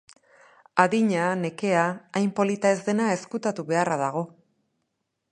Adina, nekea, hain polita ez dena ezkutatu beharra dago.